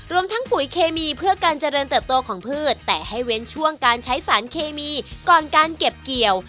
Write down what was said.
รวมทั้งปุ๋ยเคมีเพื่อการเจริญเติบโตของพืชแต่ให้เว้นช่วงการใช้สารเคมีก่อนการเก็บเกี่ยว